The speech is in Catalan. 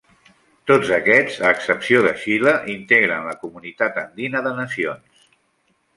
Tots aquests, a excepció de Xile, integren la Comunitat Andina de Nacions.